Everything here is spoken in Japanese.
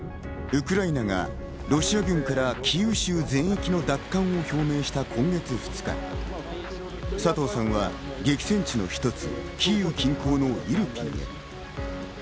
ウクライナがロシア軍からキーウ州周辺の奪還を表明した今月２日、佐藤さんは激戦地の一つキーウ近郊のイルピンへ。